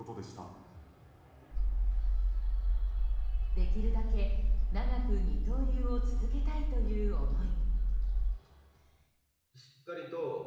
できるだけ長く二刀流を続けたいという思い。